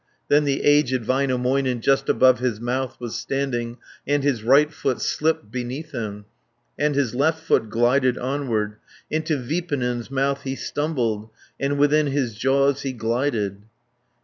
Then the aged Väinämöinen, Just above his mouth was standing, And his right foot slipped beneath him, And his left foot glided onward. Into Vipunen's mouth he stumbled, And within his jaws he glided.